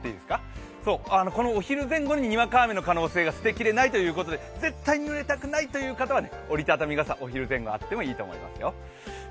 お昼前後ににわか雨の可能性が捨てきれないということで絶対にぬれたくないという方は折りたたみ傘、お昼前後にはあってもいいですよ。